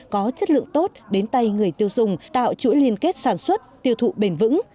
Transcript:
có chất lượng tốt đến tay người tiêu dùng tạo chuỗi liên kết sản xuất tiêu thụ bền vững